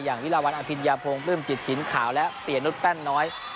อย่างวิลวัลอภิญาโพงปลื้มจิตถีนขาวและเปลี่ยนรถแป้นน้อย